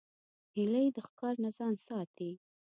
هیلۍ د ښکار نه ځان ساتي